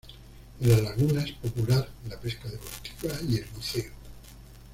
En la laguna es popular la pesca deportiva y el buceo.